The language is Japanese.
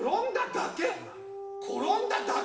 転んだだけ？